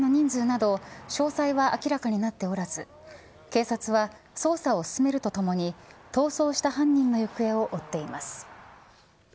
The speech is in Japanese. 犯人の人数など、詳細は明らかになっておらず、警察は捜査を進めるとともに、逃走した犯人の行方を追っています。